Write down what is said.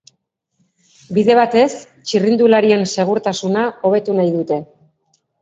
Bide batez, txirrindularien segurtasuna hobetu nahi dute.